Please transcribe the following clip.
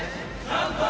乾杯。